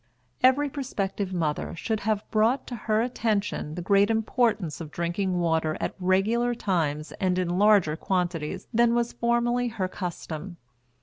Every prospective mother should have brought to her attention the great importance of drinking water at regular times and in larger quantities than was formerly her custom.